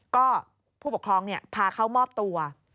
ก็ผู้ปกครองพาเข้ามอบตัว